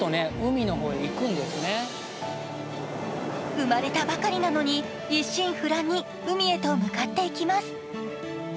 生まれたばかりなのに一心不乱に海へと向かっていきます。